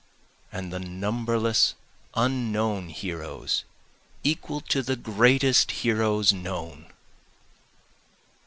And the numberless unknown heroes equal to the greatest heroes known!